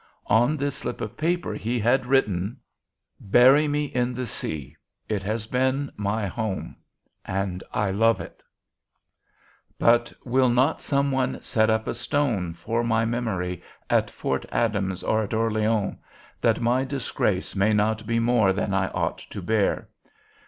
"On this slip of paper he had written: "'Bury me in the sea; it has been my home, and I love it. But will not some one set up a stone for my memory [Note 12] at Fort Adams or at Orleans, that my disgrace may not be more than I ought to bear?